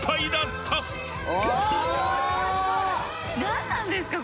何なんですか？